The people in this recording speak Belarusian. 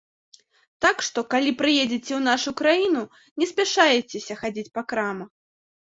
Так што, калі прыедзеце ў нашу краіну, не спяшаецеся хадзіць па крамах.